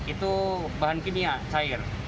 itu bahan kimia cair